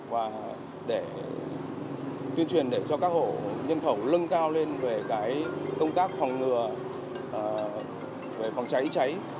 và để tuyên truyền để cho các hộ nhân khẩu lưng cao lên về công tác phòng ngừa về phòng cháy cháy